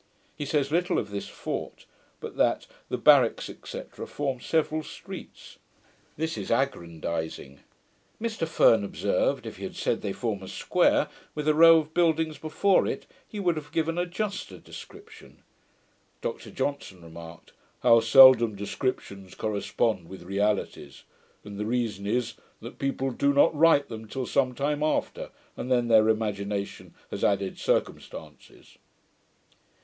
He says little of this fort; but that 'the barracks, &c. form several streets'. This is aggrandizing. Mr Ferne observed, if he had said they form a square, with a row of buildings before it, he would have given a juster description. Dr Johnson remarked, 'how seldom descriptions correspond with realities; and the reason is, that people do not write them till some time after, and then their imagination has added circumstances'.